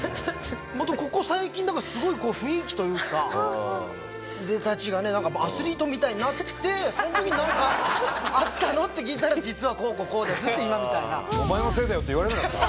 ホントここ最近なんかすごいこう雰囲気というかいでたちがねなんかアスリートみたいになってその時になんかあったの？って聞いたら実はこうこうこうですって今みたいな。お前のせいだよって言われなかった？